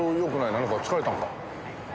なんか疲れたんか？